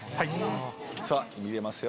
さぁ入れますよ